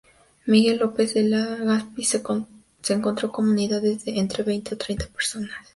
Miguel López de Legazpi se encontró comunidades de entre veinte o treinta personas.